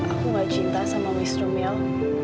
aku gak cinta sama wisnu mil